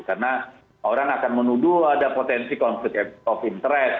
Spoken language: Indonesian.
karena orang akan menuduh ada potensi konflik of interest